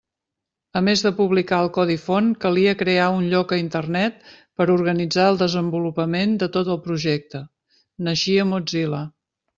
A més de publicar el codi font calia crear un lloc a Internet per organitzar el desenvolupament de tot el projecte: naixia Mozilla.